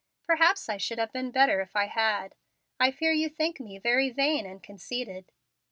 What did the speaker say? "Perhaps I should have been better if I had. I fear you think me very vain and conceited."